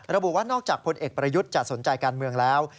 ระบุว่านอกจากพลเอกประยุทธ์จะสนใจการเมืองแล้ว